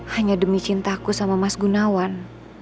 hanya demi cintaku sama mas gunawan